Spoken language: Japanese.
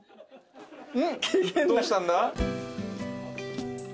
どうしたんだ？